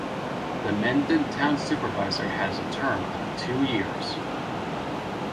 The Mendon Town Supervisor has a term of two years.